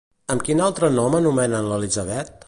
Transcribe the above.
Amb quin altre nom anomenen l'Elisabet?